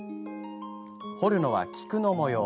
彫るのは菊の模様。